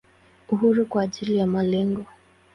Uhuru kwa ajili ya malengo.